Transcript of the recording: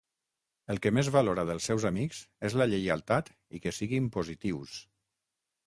El que més valora dels seus amics és la lleialtat i que siguin positius.